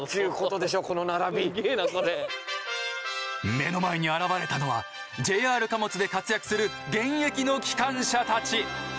目の前に現れたのはＪＲ貨物で活躍する現役の機関車たち。